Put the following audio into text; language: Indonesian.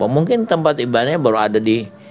mungkin tempat ibadahnya baru ada di